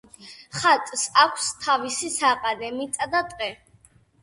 ხატს აქვს თავისი საყანე მიწა და ტყე.